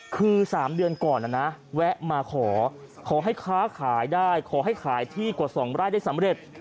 คือ๓เดือนก่อนนะนะแวะมาขอขอให้ค้าขายได้ขอให้ขายที่กว่า๒ไร่ได้สำเร็จ